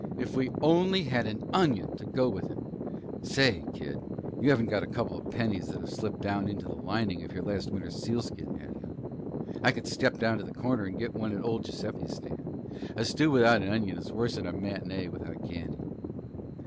If we only had an onion to go in it! Say, kid, you haven't got a couple of pennies that've slipped down into the lining of your last winter's sealskin, have you? I could step down to the corner and get one at old Giuseppe's stand. A stew without an onion is worse'n a matinée without candy."